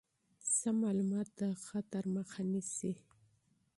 سم معلومات د خطر مخه نیسي.